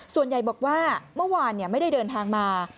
ส่วนใหญ่บอกว่าเมื่อวานไม่ได้เดินทางมา